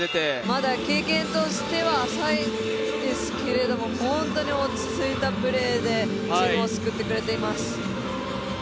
まだ経験としては浅いですけれども本当に落ち着いたプレーでチームを救ってくれています。